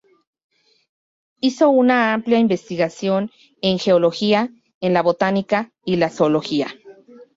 Hizo una amplia investigación en geología, en la botánica y la zoología.